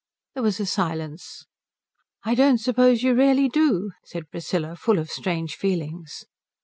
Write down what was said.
There was a silence. "I don't suppose you really do," said Priscilla, full of strange feelings.